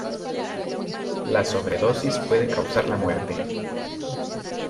La sobredosis puede causar la muerte.